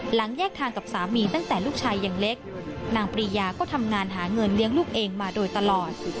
แยกทางกับสามีตั้งแต่ลูกชายยังเล็กนางปรียาก็ทำงานหาเงินเลี้ยงลูกเองมาโดยตลอด